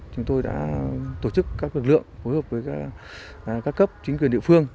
chúng tôi đã tổ chức các lực lượng phối hợp với các cấp chính quyền địa phương